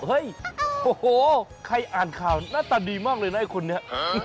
เฮ้ยโอ้โหใครอ่านข่าวหน้าตาดีมากเลยนะไอ้คนนี้